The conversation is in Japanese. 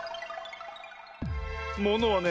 ものはね